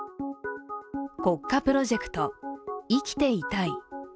国家プロジェクト「生きていたい」。